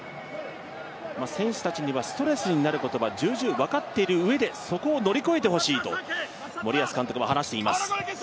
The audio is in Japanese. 選手たちにはストレスになるのはじゅうじゅう分かっている上でそこを乗り越えてほしいと森保監督は話しています。